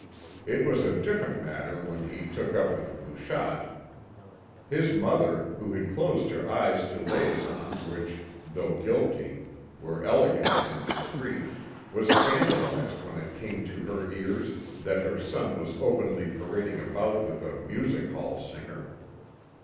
It was a different matter when he took up with Bouchotte. His mother, who had closed her eyes to liaisons which, though guilty, were elegant and discreet, was scandalised when it came to her ears that her son was openly parading about with a music hall singer.